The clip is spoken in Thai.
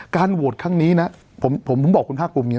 การโหวตครั้งนี้นะผมผมบอกคุณภาคปุ่มอย่างเงี้ย